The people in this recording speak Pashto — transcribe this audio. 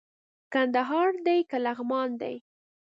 کندهار دئ که لغمان دئ